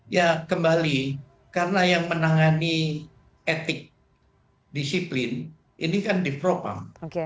ya kembali karena yang menangani etik disiplin ini kan di propam